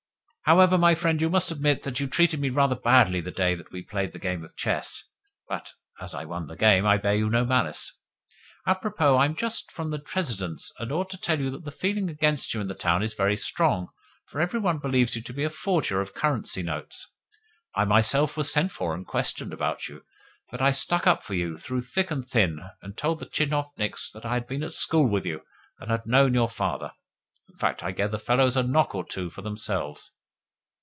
"However, my friend, you must admit that you treated me rather badly the day that we played that game of chess; but, as I won the game, I bear you no malice. A propos, I am just from the President's, and ought to tell you that the feeling against you in the town is very strong, for every one believes you to be a forger of currency notes. I myself was sent for and questioned about you, but I stuck up for you through thick and thin, and told the tchinovniks that I had been at school with you, and had known your father. In fact, I gave the fellows a knock or two for themselves."